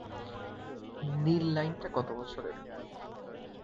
নীল লাইনটা গত বছরের।